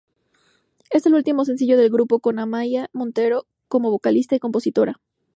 Es el último sencillo del grupo con Amaia Montero como vocalista y compositora.